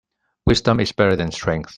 Wisdom is better than strength.